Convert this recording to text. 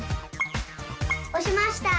おしました！